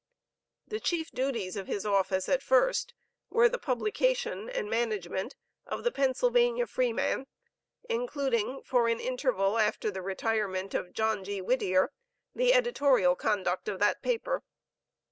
The chief duties of his office at first, were the publication and management of the Pennsylvania Freeman, including, for an interval after the retirement of John G. Whittier, the editorial conduct of that paper.